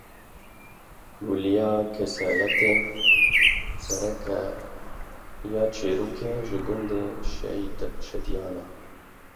Gulêya kesayeta sereke ya çîrokê ji gundê Şadiyan e.